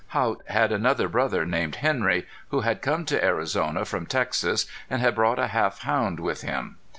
Haught had another brother named Henry, who had come to Arizona from Texas, and had brought a half hound with him.